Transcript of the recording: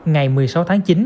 ngày một mươi sáu tháng chín